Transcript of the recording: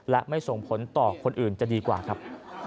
และไม่ส่งผลต่อคนอื่นจะดีกว่าครับ